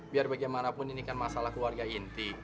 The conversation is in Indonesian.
biar bagaimanapun ini kan masalah keluarga inti